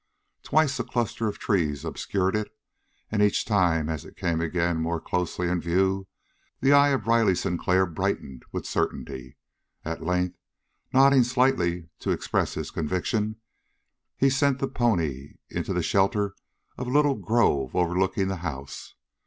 Twice a cluster of trees obscured it, and each time, as it came again more closely in view, the eye of Riley Sinclair brightened with certainty. At length, nodding slightly to express his conviction, he sent the pony into the shelter of a little grove overlooking the house.